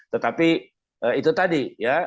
tetapi itu tadi